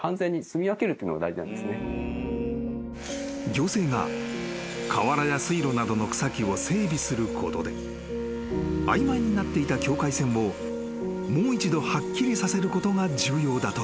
［行政が河原や水路などの草木を整備することで曖昧になっていた境界線をもう一度はっきりさせることが重要だという］